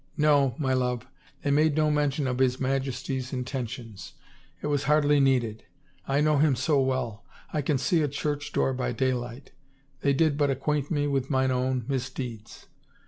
"No, my love, they made no mention of his Majesty's intentions. It was hardly needed — I know him so well ! I can see a church door by daylight. They did but acquaint me with mine own misdeeds.